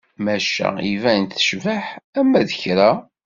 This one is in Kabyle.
Maca iban tecbeḥ ama d kra.